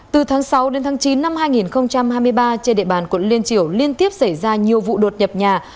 từ tháng sáu đến tháng chín năm hai nghìn hai mươi ba trên địa bàn quận liên triều liên tiếp xảy ra nhiều vụ đột nhập nhà